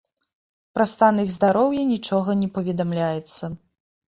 Пра стан іх здароўя нічога не паведамляецца.